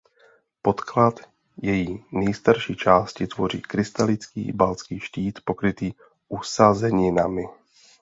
Podklad její nejstarší části tvoří krystalický Baltský štít pokrytý usazeninami.